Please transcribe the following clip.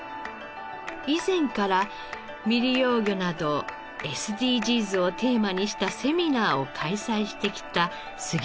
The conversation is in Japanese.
以前から未利用魚などＳＤＧｓをテーマにしたセミナーを開催してきた杉本料理長。